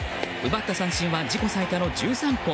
奪った三振は自己最多の１３個。